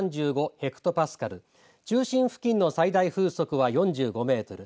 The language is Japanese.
ヘクトパスカル中心付近の最大風速は４５メートル